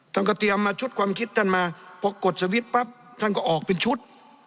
ท่านก็เตรียมมาชุดความคิดท่านมาพอกดสวิตช์ปั๊บท่านก็ออกเป็นชุด